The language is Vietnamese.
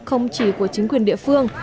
không chỉ của chính quyền địa phương